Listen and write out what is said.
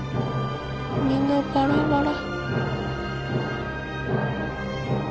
みんなバラバラ。